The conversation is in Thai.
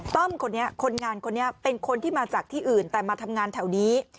ต้อมคนนี้คนงานคนนี้เป็นคนที่มาจากที่อื่นแต่มาทำงานแถวนี้